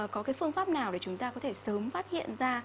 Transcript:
có cái phương pháp nào để chúng ta có thể sớm phát hiện ra